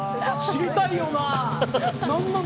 知りたいよな？